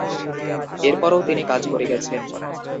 এরপরও তিনি কাজ করে গেছেন।